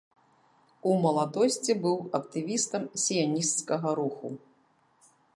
У маладосці быў актывістам сіянісцкага руху.